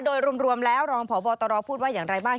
โดยรวมแล้วรองพบตรพูดว่าอย่างไรบ้าง